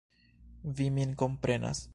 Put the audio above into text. Vi min komprenas.